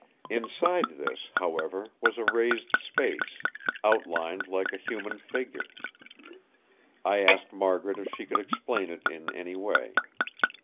Inside this, however, was a raised space, outlined like a human figure. I asked Margaret if she could explain it in any way.